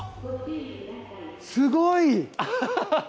すごい。